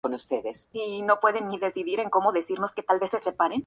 Falleció en Los Ángeles por un carcinoma renal.